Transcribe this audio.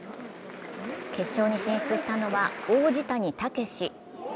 決勝に進出したのは王子谷剛志。